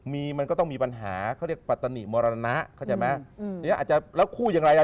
มีมันก็ต้องมีปัญหาเขาเรียกปัตตนิมรณะเข้าใจไหมทีนี้อาจจะแล้วคู่อย่างไรล่ะ